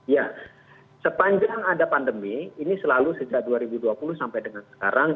ya sepanjang ada pandemi ini selalu sejak dua ribu dua puluh sampai dengan sekarang